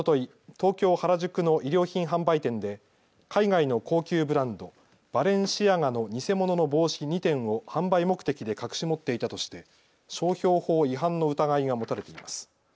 東京原宿の衣料品販売店で海外の高級ブランド、バレンシアガの偽物の帽子２点を販売目的で隠し持っていたとして商標法違反の疑いが持たれています。